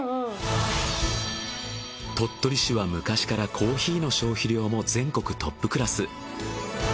鳥取市は昔からコーヒーの消費量も全国トップクラス。